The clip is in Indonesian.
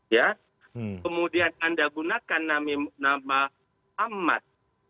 ya kemudian anda gunakan nama ahmad